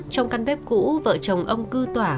trong căn bếp cũ vợ chồng ông cư tỏa